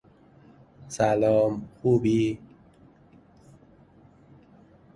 The line is typically colored sky blue on the maps.